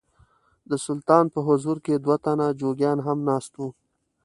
د سلطان په حضور کې دوه تنه جوګیان هم ناست وو.